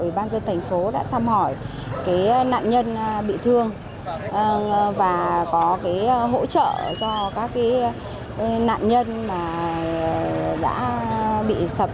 ủy ban dân thành phố đã thăm hỏi nạn nhân bị thương và có hỗ trợ cho các nạn nhân mà đã bị sập